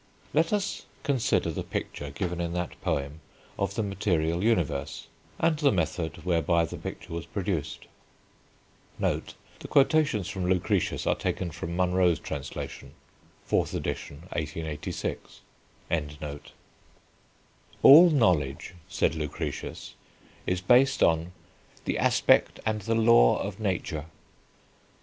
Let us consider the picture given in that poem of the material universe, and the method whereby the picture was produced. The quotations from Lucretius are taken from Munro's translation (4th Edition, 1886). All knowledge, said Lucretius, is based on "the aspect and the law of nature."